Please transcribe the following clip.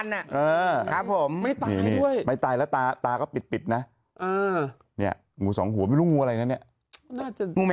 เนี่ยดูดิดูจัดการได้รู้ว่าเห็นมันอยู่